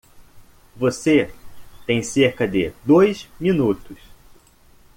Você tem cerca de dois minutos.